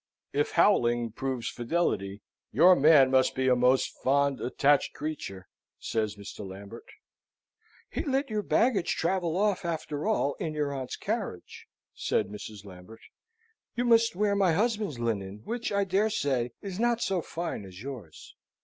"If howling proves fidelity, your man must be a most fond, attached creature," says Mr. Lambert. "He let your baggage travel off after all in your aunt's carriage," said Mrs. Lambert. "You must wear my husband's linen, which, I dare say, is not so fine as yours."